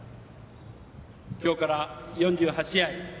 今日から４８試合。